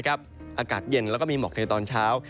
อากาศเย็นแล้วก็มีหมอกในตอนเช้า